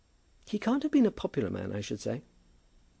"He can't have been a popular man, I should say?"